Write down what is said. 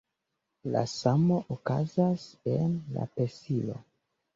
La samo okazas en la pesilo.